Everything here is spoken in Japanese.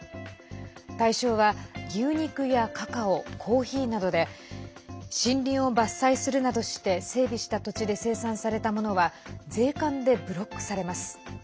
対象は牛肉やカカオコーヒーなどで森林を伐採するなどして整備した土地で生産されたものは税関でブロックされます。